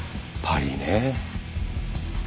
パリィね。